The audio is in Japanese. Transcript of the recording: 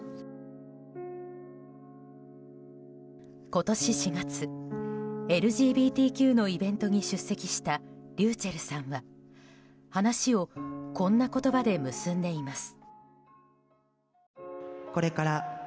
今年４月ＬＧＢＴＱのイベントに出席したｒｙｕｃｈｅｌｌさんは話をこんな言葉で結んでいます。